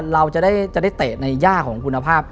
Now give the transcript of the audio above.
เราจะได้เตะในยากของคุณภาพ